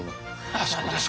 あそうですか。